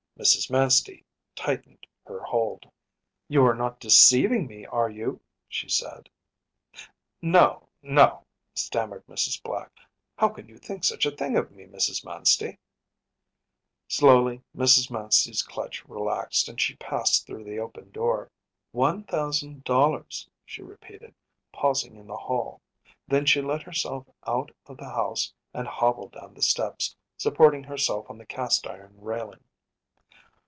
‚ÄĚ Mrs. Manstey tightened her hold. “You are not deceiving me, are you?‚ÄĚ she said. “No no,‚ÄĚ stammered Mrs. Black. “How can you think such a thing of me, Mrs. Manstey?‚ÄĚ Slowly Mrs. Manstey’s clutch relaxed, and she passed through the open door. “One thousand dollars,‚ÄĚ she repeated, pausing in the hall; then she let herself out of the house and hobbled down the steps, supporting herself on the cast iron railing.